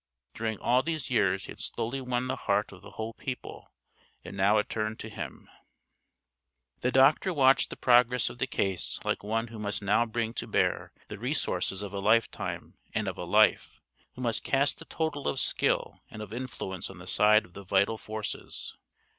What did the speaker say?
During all these years he had slowly won the heart of the whole people, and now it turned to him. The doctor watched the progress of the case like one who must now bring to bear the resources of a lifetime and of a life; who must cast the total of skill and of influence on the side of the vital forces.